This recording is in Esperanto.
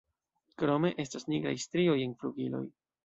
Krome estas nigraj strioj en flugiloj.